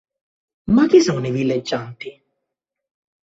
Ma chi sono i villeggianti?